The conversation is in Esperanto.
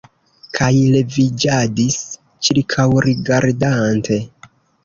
Kaj leviĝadis, ĉirkaŭrigardante.